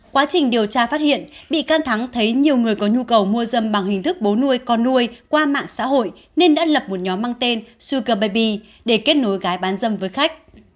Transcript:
quá trình điều tra phát hiện bị can thắng thấy nhiều người có nhu cầu mua dâm bằng hình thức bố nuôi con nuôi qua mạng xã hội nên đã lập một nhóm mang tên suker baby để kết nối gái bán dâm với khách